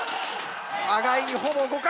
互いにほぼ互角！